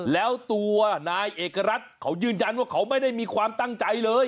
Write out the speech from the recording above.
แล้วตัวนายเอกรัฐเขายืนยันว่าเขาไม่ได้มีความตั้งใจเลย